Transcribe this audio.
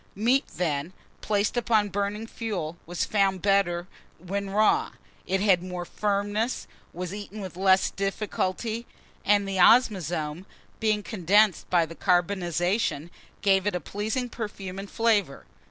MEAT, THEN, PLACED ON BURNING FUEL was found better than when raw: it had more firmness, was eaten with less difficulty, and the ozmazome being condensed by the carbonization, gave it a pleasing perfume and flavour.